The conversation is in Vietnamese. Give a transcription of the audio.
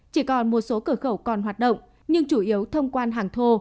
chỉ còn một số cửa khẩu còn hoạt động nhưng chủ yếu thông quan hàng thô